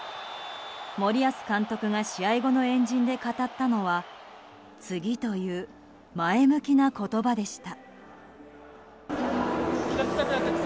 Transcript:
森保監督が試合後の円陣で語ったのは「次」という前向きな言葉でした。